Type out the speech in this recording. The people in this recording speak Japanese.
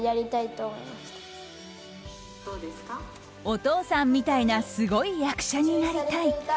お父さんみたいなすごい役者になりたい。